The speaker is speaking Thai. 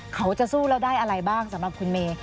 เขาจะสู้แล้วได้อะไรบ้างสำหรับคุณเมย์